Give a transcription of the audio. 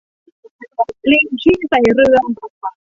ลิงขี้ใส่เรือ